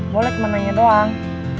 boleh cuma nanya doang